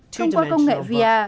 thông qua công nghệ vr